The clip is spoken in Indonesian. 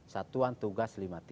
satuan tugas lima puluh tiga